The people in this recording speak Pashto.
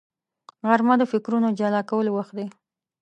غرمه د فکرونو جلا کولو وخت دی